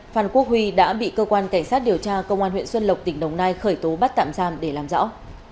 phan quốc huy đã bị cơ quan cảnh sát điều tra công an huyện xuân lộc tỉnh đồng nai khởi tố bắt tạm giam để làm rõ